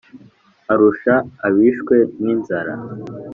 arusha abishwe n’inzara,